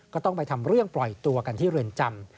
ก็ต้องไปทำเรื่องปล่อยตัวกันที่เรือนจำ